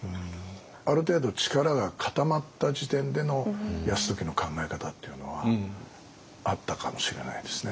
ある程度力が固まった時点での泰時の考え方っていうのはあったかもしれないですね。